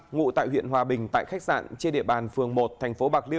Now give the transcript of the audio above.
ngụ tại huyện hòa bình tại khách sạn trên địa bàn phường